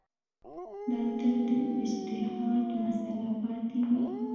دا تل د اجتهاد مسأله پاتې وي.